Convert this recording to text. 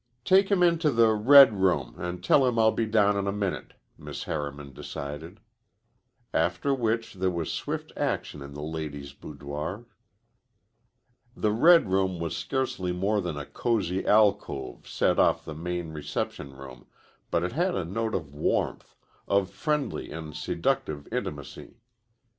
"Take him into the red room and tell him I'll be down in a minute," Miss Harriman decided. After which there was swift action in the lady's boudoir. The red room was scarcely more than a cozy alcove set off the main reception room, but it had a note of warmth, of friendly and seductive intimacy.